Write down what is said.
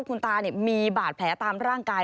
คุณตามีบาดแผลตามร่างกาย